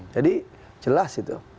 jadi jelas itu